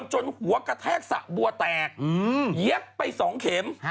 หัวกระแทกสะบัวแตกแยกไปสองเข็ม